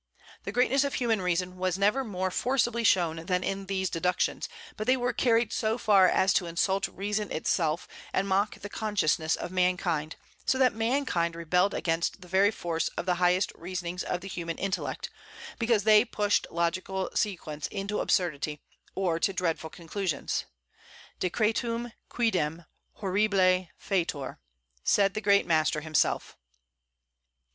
The greatness of human reason was never more forcibly shown than in these deductions; but they were carried so far as to insult reason itself and mock the consciousness of mankind; so that mankind rebelled against the very force of the highest reasonings of the human intellect, because they pushed logical sequence into absurdity, or to dreadful conclusions: Decretum quidem horribile fateor, said the great master himself.